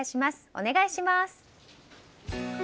お願いします。